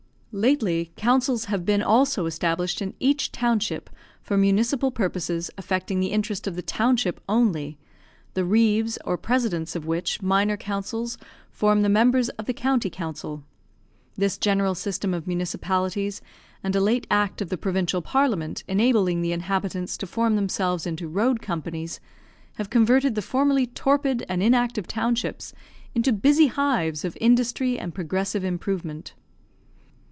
Lately, councils have been also established in each township for municipal purposes affecting the interest of the township only, the reeves, or presidents, of which minor councils form the members of the county council. This general system of municipalities, and a late act of the provincial parliament, enabling the inhabitants to form themselves into road companies, have converted the formerly torpid and inactive townships into busy hives of industry and progressive improvement.